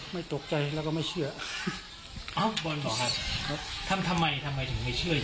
ไม่ตกใจแล้วก็ไม่เชื่อเอ้าบอลบอกครับทำทำไมทำไมถึงไม่เชื่อ